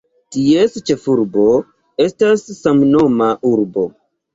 Ties ĉefurbo estas samnoma urbo.